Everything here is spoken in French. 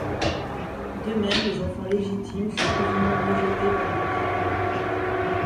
De même les enfants légitimes sont plus ou moins rejetés par lui.